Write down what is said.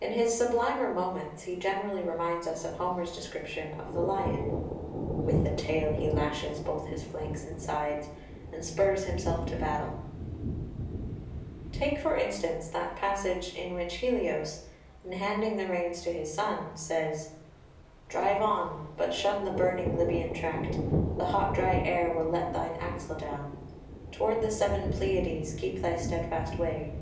In his sublimer moments he generally reminds us of Homer's description of the lion "With tail he lashes both his flanks and sides, And spurs himself to battle." [Footnote 4: Il. xx. 170.] 4 Take, for instance, that passage in which Helios, in handing the reins to his son, says "Drive on, but shun the burning Libyan tract; The hot dry air will let thine axle down: Toward the seven Pleiades keep thy steadfast way."